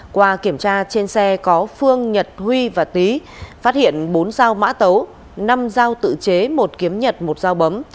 qua kiểm tra trên xe có phương nhật huy và tý phát hiện bốn dao mã tấu năm dao tự chế một kiếm nhật một dao bấm